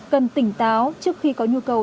cần tỉnh táo trước khi có nhu cầu